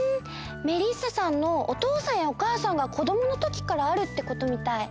メリッサさんのおとうさんやおかあさんが子どものときからあるってことみたい。